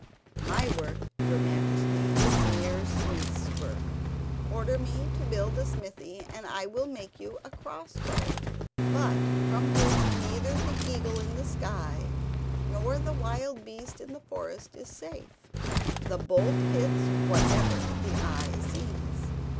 "My work, your Majesty, is mere smith's work. Order me to build a smithy and I will make you a cross bow, but from which neither the eagle in the sky nor the wild beast in the forest is safe. The bolt hits whatever the eye sees."